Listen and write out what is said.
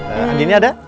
eh andinnya ada